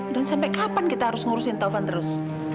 dan sampai kapan kita harus ngurusin taufan terus